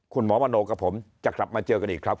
คุณหมอมโนกับผมจะกลับมาเจอกันอีกครับ